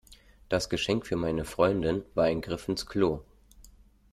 Das Geschenk für meine Freundin war ein Griff ins Klo.